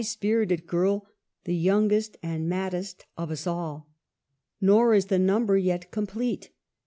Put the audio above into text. spirited girl, "the youngest and maddest of us all." Nor is the number yet complete.